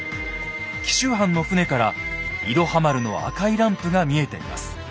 紀州藩の船から「いろは丸」の赤いランプが見えています。